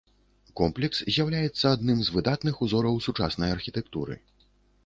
Комплекс з'яўляецца адным з выдатных узораў сучаснай архітэктуры.